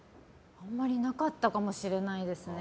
あんまりなかったかもしれないですね。